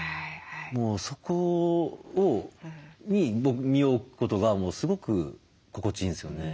もうそこに身を置くことがすごく心地いいんですよね。